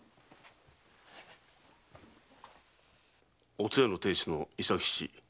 おつやの亭主の伊佐吉。